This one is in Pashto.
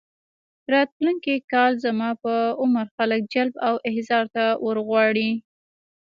راتلونکي کال زما په عمر خلک جلب او احضار ته ورغواړي.